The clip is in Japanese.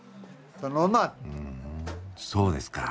そうですか。